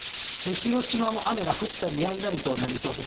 広島も雨が降ったりやんだりとなりそうです。